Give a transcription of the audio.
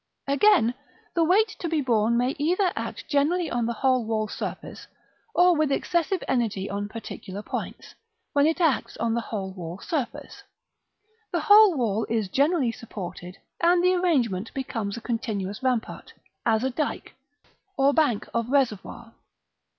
Again, the weight to be borne may either act generally on the whole wall surface, or with excessive energy on particular points: when it acts on the whole wall surface, the whole wall is generally supported; and the arrangement becomes a continuous rampart, as a dyke, or bank of reservoir.